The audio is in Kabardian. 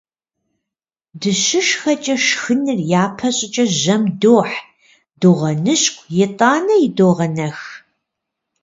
ДыщышхэкӀэ, шхыныр япэ щӀыкӀэ жьэм дохь, догъэныщкӀу, итӀанэ идогъэнэх.